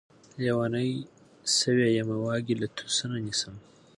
لېونے شوے يمه واګې له توسنه نيسم